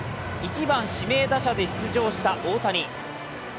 １番・指名打者で出場した大谷。